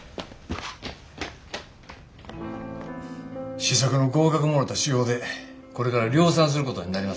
試作の合格もろた仕様でこれから量産することになります。